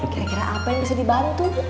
kira kira apa yang bisa dibantu